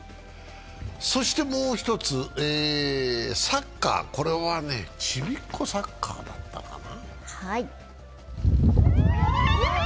もう１つ、サッカー、これはちびっこサッカーだったかな。